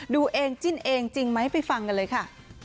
ดูเองจิ้นเองจริงไหมไปฟังกันเลยค่ะ